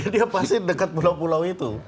dia pasti dekat pulau pulau itu